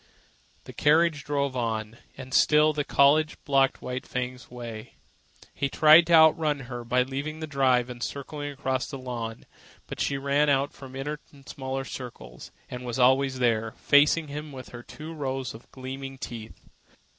The carriage drove on, and still Collie blocked White Fang's way. He tried to outrun her by leaving the drive and circling across the lawn but she ran on the inner and smaller circle, and was always there, facing him with her two rows of gleaming teeth.